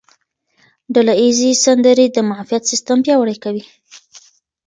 ډله ییزې سندرې د معافیت سیستم پیاوړی کوي.